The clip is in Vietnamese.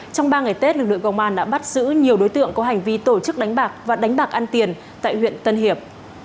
trong ba ngày tết lực lượng công an đã bắt giữ nhiều đối tượng có hành vi tổ chức đánh bạc và đánh bạc ăn tiền tại huyện tân hiệp